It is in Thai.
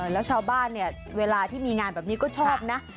แล้วชาวบ้านเนี่ยเวลาที่มีงานแบบนี้ก็ชอบนะ